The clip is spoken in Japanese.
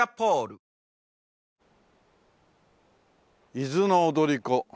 『伊豆の踊子』。